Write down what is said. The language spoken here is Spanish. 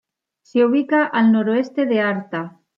Se ubica al noroeste de Arta.